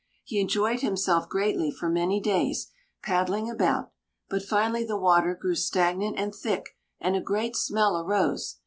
He enjoyed himself greatly for many days, paddling about; but finally the water grew stagnant and thick, and a great smell arose.